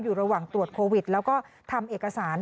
อยู่ระหว่างตรวจโควิดแล้วก็ทำเอกสาร